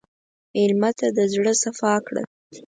مېلمه ته د زړه صفا کړه.